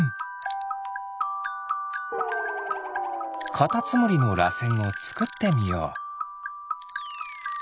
カタツムリのらせんをつくってみよう。